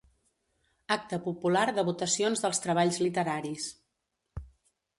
Acte popular de votacions dels treballs literaris.